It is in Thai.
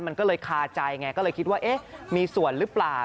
มันก็เลยคาใจไงก็เลยคิดว่าเอ๊ะมีส่วนหรือเปล่า